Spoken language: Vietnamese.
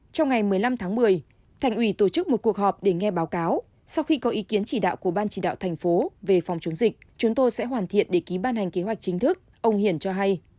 trong ngày một mươi năm tháng một mươi thành ủy tổ chức một cuộc họp để nghe báo cáo sau khi có ý kiến chỉ đạo của ban chỉ đạo thành phố về phòng chống dịch chúng tôi sẽ hoàn thiện để ký ban hành kế hoạch chính thức ông hiển cho hay